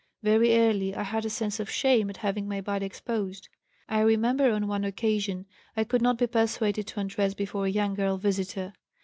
Very early I had a sense of shame at having my body exposed; I remember on one occasion I could not be persuaded to undress before a young girl visitor.